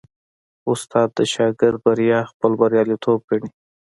استاد د شاګرد بریا خپل بریالیتوب ګڼي.